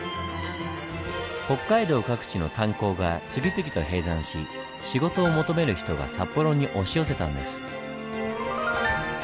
北海道各地の炭鉱が次々と閉山し仕事を求める人が札幌に押し寄せたんです。